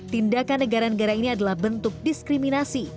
tindakan negara negara ini adalah bentuk diskriminasi